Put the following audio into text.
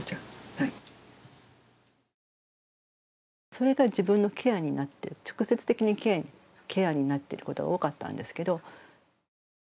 それが自分のケアになってる直接的なケアになってることが多かったんですけど。